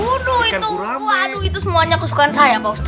waduh itu semuanya kesukaan saya pak ustadz